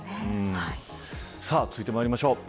続いてまいりましょう。